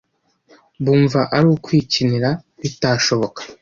bumva ari kwikinira bitashoboka